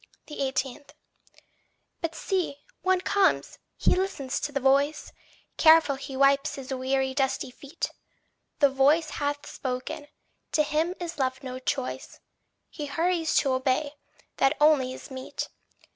18. But see, one comes; he listens to the voice; Careful he wipes his weary dusty feet! The voice hath spoken to him is left no choice; He hurries to obey that only is meet.